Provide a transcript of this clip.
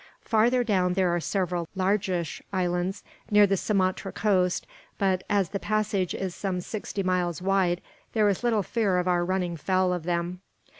Farther down there are several largish islands near the Sumatra coast but, as the passage is some sixty miles wide, there is little fear of our running foul of them."